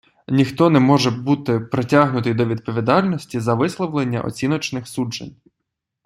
Ніхто не може бути притягнутий до відповідальності за висловлення оціночних суджень.